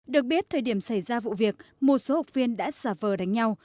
được biết thời điểm xảy ra vụ việc một số học viên đã xả vờ đánh nhau